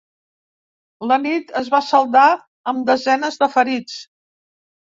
La nit es va saldar amb desenes de ferits.